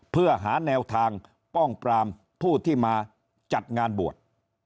เพื่อหาแนวทางป้องปรามผู้ที่มาจัดงานบวช